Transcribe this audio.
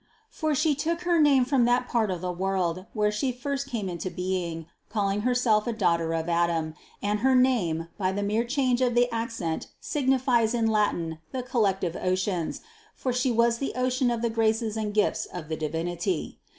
For She took her name from that part of the world, where She first came into being, calling herself a daughter of Adam, and her name, by the mere change of the accent signifies in Latin the collective oceans, for She was the ocean of the graces and gifts of the Divinity.